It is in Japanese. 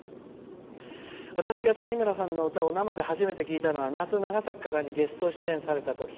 「私が谷村さんの歌を生で初めて聴いたのは夏・長崎からにゲスト出演された時。